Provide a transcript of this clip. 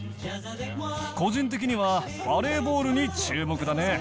個人的にはバレーボールに注目だね。